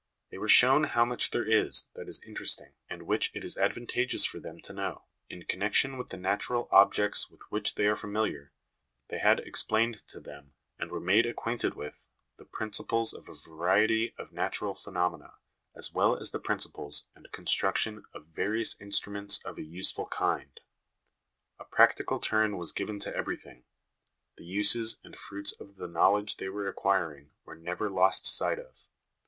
They were shown how much there is that is interesting, and which it is advantageous for them to know, in connection with the natural objects with which they are familiar ; they had explained to them, and were made acquainted with, the principles of a variety of natural phenomena, as well as the principles and construction of various instruments of a useful 1 Parent? Review ', April 1904. LESSONS AS INSTRUMENTS OF EDUCATION 269 kind. A practical turn was given to everything ; the uses and fruits of the knowledge they were acquiring were never lost sight of."